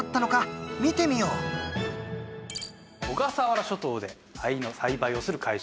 小笠原諸島で藍の栽培をする会社。